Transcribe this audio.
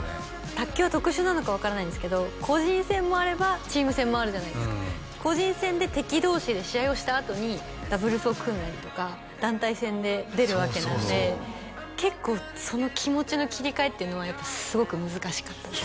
卓球は特殊なのか分からないんですけど個人戦もあればチーム戦もあるじゃないですか個人戦で敵同士で試合をしたあとにダブルスを組んだりとか団体戦で出るわけなんで結構その気持ちの切り替えっていうのはやっぱすごく難しかったですね